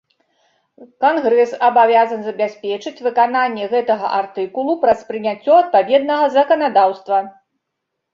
Кангрэс абавязан забяспечваць выкананне гэтага артыкулу праз прыняцце адпаведнага заканадаўства.